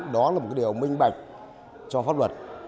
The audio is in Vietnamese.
đó là một điều minh bạch cho pháp luật